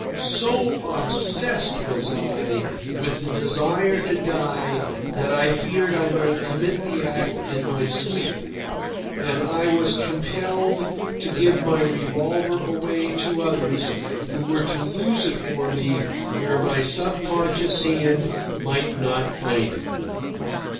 So obsessed was I with the desire to die that I feared I might commit the act in my sleep, and I was compelled to give my revolver away to others who were to lose it for me where my subconscious hand might not find it.